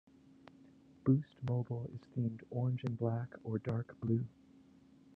Boost mobile is themed orange and black or dark blue.